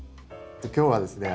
今日はですね